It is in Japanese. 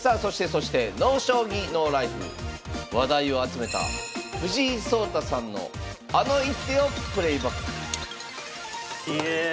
そして「ＮＯ将棋ＮＯＬＩＦＥ」話題を集めた藤井聡太さんのあの一手をプレーバックひえ